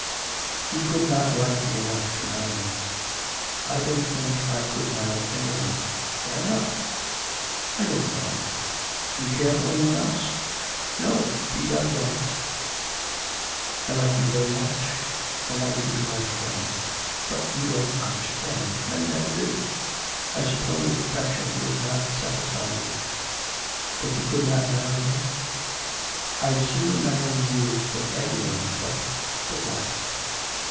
'You could not like me enough to marry me.' 'I don't think I could marry any one.' 'Why not?' 'I don't know.' 'Do you care for any one else?' 'No, indeed I don't. I like you very much. I want you to be my friend.... But you don't understand. Men never do. I suppose affection would not satisfy you.' 'But you could not marry me?' 'I'd sooner marry you than any one. But ' 'But what?'